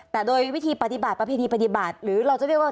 แต่โดยวิธีปฏิบัติประเพณีปฏิบัติหรือเราจะเรียกว่า